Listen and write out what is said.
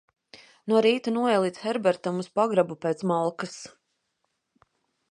No rīta noeju līdz Herbertam uz pagrabu pēc malkas.